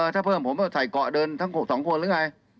ถ้าเพิ่มผมก็ใส่เกาะเดินทั้ง๖๒คนหรือไง